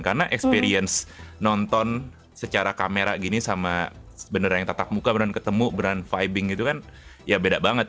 karena experience nonton secara kamera gini sama sebenarnya yang tetap muka beneran ketemu beneran vibing gitu kan ya beda banget